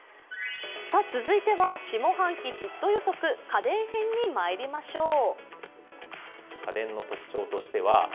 続いては下半期ヒット予測、家電編にまいりましょう。